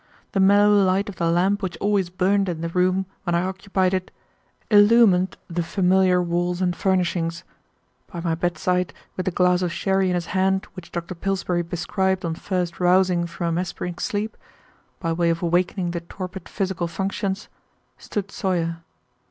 The mellow light of the lamp which always burned in the room when I occupied it illumined the familiar walls and furnishings. By my bedside, with the glass of sherry in his hand which Dr. Pillsbury prescribed on first rousing from a mesmeric sleep, by way of awakening the torpid physical functions, stood Sawyer.